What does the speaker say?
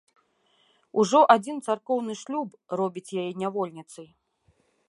Ужо адзін царкоўны шлюб робіць яе нявольніцай.